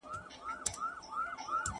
د ټولنې هره پرېکړه سياسي ماهيت نلري.